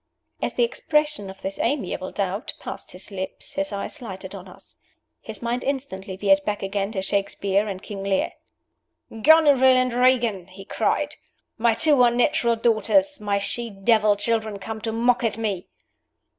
As the expression of this amiable doubt passed his lips his eyes lighted on us. His mind instantly veered back again to Shakespeare and King Lear. "Goneril and Regan!" he cried. "My two unnatural daughters, my she devil children come to mock at me!"